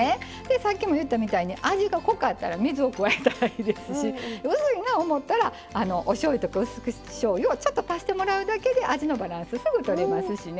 さっきも言ったみたいに味が濃かったら水を加えたらいいですし薄いな思ったらおしょうゆとかうす口しょうゆをちょっと足してもらうだけで味のバランスすぐとれますしね。